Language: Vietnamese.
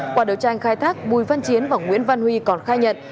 qua đấu tranh khai thác bùi văn chiến và nguyễn văn huy còn khai nhận